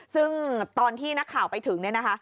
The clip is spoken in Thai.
ซึ่งตอนที่นักข่าวไปถึงเนี่ยนะคะ